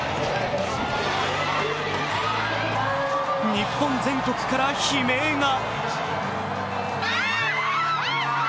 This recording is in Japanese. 日本全国から悲鳴が。